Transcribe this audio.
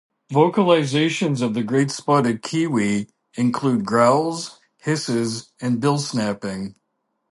Vocalisations of the great spotted kiwi include growls, hisses, and bill snapping.